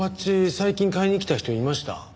最近買いに来た人いました？